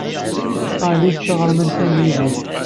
Alice d taɣermant tanglizit.